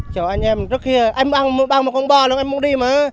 chờ anh em trước kia em băng một con bò luôn em muốn đi mà